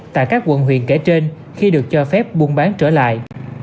tại các quận huyện kể trên khi được cho phép buôn bán trở lại